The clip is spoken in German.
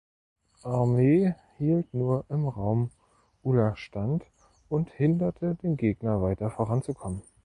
Armee hielt nur im Raum Ula stand und hinderte den Gegner weiter voranzukommen.